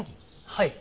はい。